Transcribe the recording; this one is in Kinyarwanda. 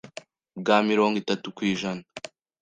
bwa mirongo itatu kwijana